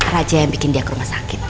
raja yang bikin dia ke rumah sakit